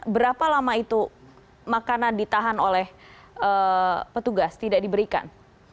berapa lama itu makanan ditahan oleh petugas tidak diberikan